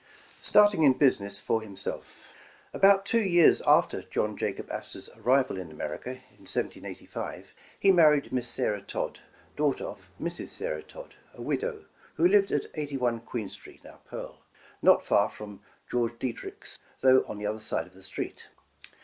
STARTING IN BUSINESS FOR HIMSELF. ABOUT two years after John Jacob Astor's ar rival in America, in 1785, he married Miss Sarah Todd, daughter of Mrs. Sarah Todd, a widow, who lived at 81 Queen Street, (now Pearl) not far from George Diederich's, though on the other side of the street.